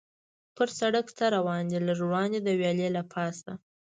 چې پر سړک څه روان دي، لږ وړاندې د ویالې له پاسه.